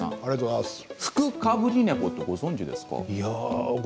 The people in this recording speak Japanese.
福かぶり猫ってご存じですか。